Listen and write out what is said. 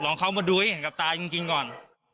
ลองเข้ามันดูกับตายกุญกินก่อน